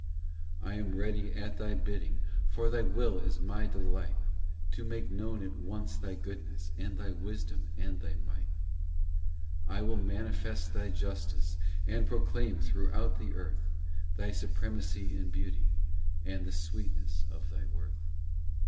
VIII I am ready at Thy bidding, For Thy will is My delight, To make known at once Thy goodness And Thy wisdom and Thy might. IX I will manifest Thy justice, And proclaim throughout the earth Thy supremacy and beauty And the sweetness of Thy worth.